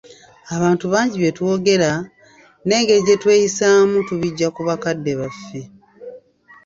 Abantu bangi bye twogera, n'engeri gye tweyisaamu tubijja ku bakadde baffe.